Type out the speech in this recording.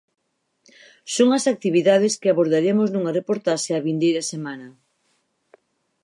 Son as actividades que abordaremos nunha reportaxe a vindeira semana.